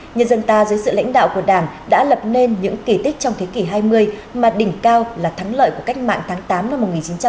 nhân dân ta dưới sự lãnh đạo của đảng đã lập nên những kỳ tích trong thế kỷ hai mươi mà đỉnh cao là thắng lợi của cách mạng tháng tám năm một nghìn chín trăm bốn mươi năm